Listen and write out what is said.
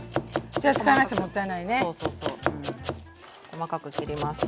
細かく切ります。